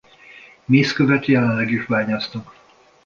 Mészkövet jelenleg is bányásznak.